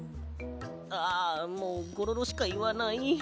ああもうゴロロしかいわない。